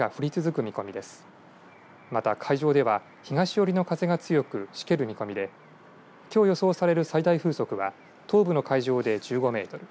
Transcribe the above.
、海上では東寄りの風が強くしける見込みできょう予想される最大風速は東部の海上で１５メートル